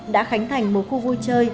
đã khánh thành một khu vui chơi